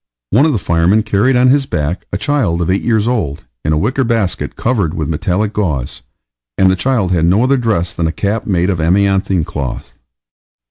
One of the firemen carried on his back a child eight years old, in a wicker basket covered with metallic gauze, and the child had no other dress than a cap made of amianthine cloth.